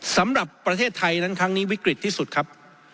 สำหรับประเทศไทยนั้นครั้งนี้วิกฤตที่สุดครับ